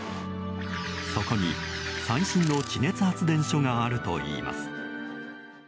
そこに、最新の地熱発電所があるといいます。